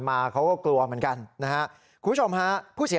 ได้ได้ข้างหลังครับพี่